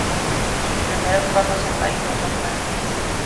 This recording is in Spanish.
Sus primeros pasos en París no son fáciles.